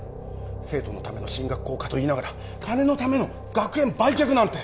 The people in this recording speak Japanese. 生徒のための進学校化といいながら金のための学園売却なんて！